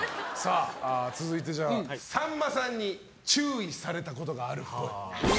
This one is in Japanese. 続いて、さんまさんに注意されたことがあるっぽい。